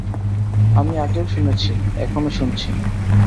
আমি আগেও শুনেছি, এখনো শুনছি।